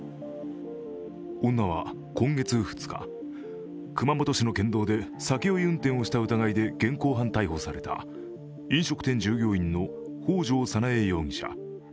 女は今月２日、熊本市の県道で酒酔い運転をした疑いで現行犯逮捕された飲食店従業員の北條沙苗容疑者。